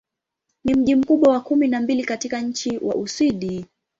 Ni mji mkubwa wa kumi na mbili katika nchi wa Uswidi.